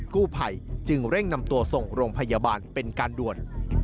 กู้ภัยจึงเร่งนำตัวส่งโรงพยาบาลเป็นการด่วน